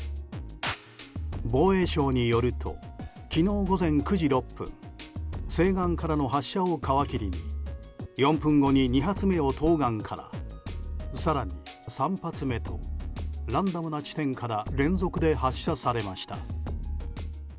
防衛省によると昨日午前９時６分西岸からの発射を皮切りに４分後に、２発目を東岸から更に３発目とランダムな地点から連続で発射されました。